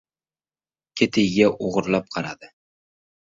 Ketiga o‘girilib qaradi.